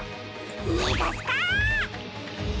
にがすか！